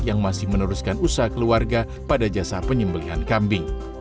yang masih meneruskan usaha keluarga pada jasa penyembelian kambing